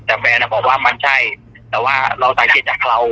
แทบแมนอะบอกว่ามันใช่แต่ว่าเราตามเกลียดจากเคราะห์